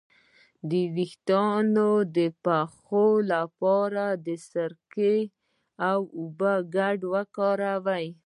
د ویښتو د پخې لپاره د سرکې او اوبو ګډول وکاروئ